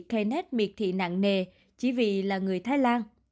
kenned miệt thị nặng nề chỉ vì là người thái lan